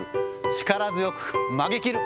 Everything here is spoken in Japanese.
力強く曲げきる。